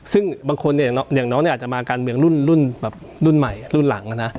ซึ่งบางคนเนี่ยอย่างน้องเนี่ยอาจจะมาการเมืองรุ่นแบบรุ่นใหม่รุ่นหลังนะ